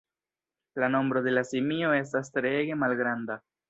La nombro de la simio estas treege malgranda.